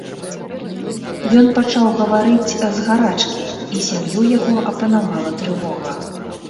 Ён пачаў гаварыць з гарачкі, і сям'ю яго апанавала трывога.